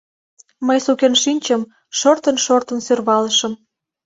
Мый сукен шинчым, шортын-шортын сӧрвалышым.